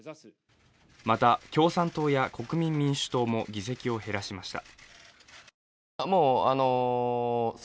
また共産党や国民民主党も議席を減らしました